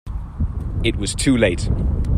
It was too late.